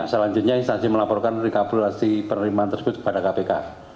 selanjutnya instansi melaporkan rekabulasi penerimaan tersebut kepada kpk